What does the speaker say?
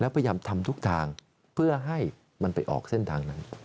พยายามทำทุกทางเพื่อให้มันไปออกเส้นทางนั้น